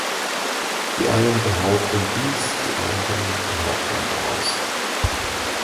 Die einen behaupten dies, die anderen behaupten das.